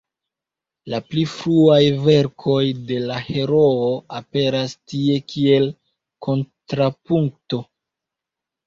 La pli fruaj verkoj de la heroo aperas tie kiel kontrapunkto.